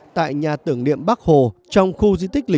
đó là công việc trước của tôi